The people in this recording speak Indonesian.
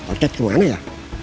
oke keluarnya ya